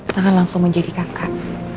nangang langsung menjadi kakak